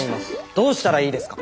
どうしたらいいですか」。